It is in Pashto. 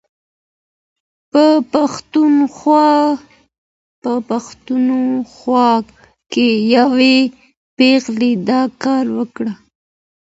په پښتونخوا کې یوې پېغلې دا کار وکړ.